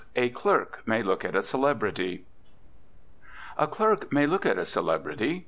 XII A CLERK MAY LOOK AT A CELEBRITY A clerk may look at a celebrity.